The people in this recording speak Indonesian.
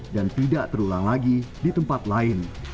dan tidak terulang lagi di tempat lain